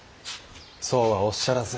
そうはおっしゃらず。